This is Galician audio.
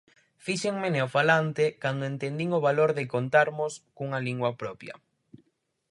Fíxenme neofalante cando entendín o valor de contarmos cunha lingua propia.